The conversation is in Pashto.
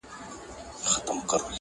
ژوند د درسونو مجموعه ده تل,